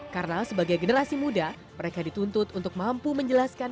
karena sebagai generasi muda mereka dituntut untuk mampu menjelaskan